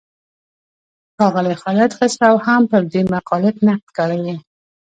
ښاغلي خالد خسرو هم پر دې مقاله نقد کړی و.